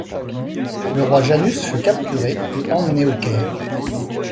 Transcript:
Le roi Janus fut capturé et emmené au Caire.